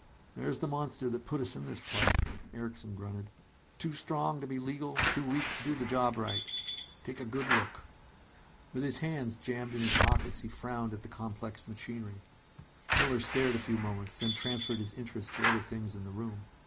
"There's the monster that put us in this plight," Erickson grunted. "Too strong to be legal, too weak to do the job right. Take a good look!" With his hands jammed in his pockets, he frowned at the complex machinery. Miller stared a few moments; then transferred his interests to other things in the room.